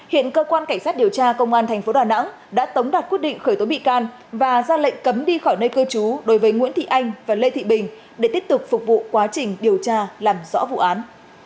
hiện cơ quan cảnh sát điều tra công an thành phố đà nẵng đã tống đạt quyết định khởi tố bị can và ra lệnh cấm đi khỏi nơi cư trú đối với nguyễn thị anh và lê thị bình để tiếp tục phục vụ quá trình điều tra làm rõ vụ án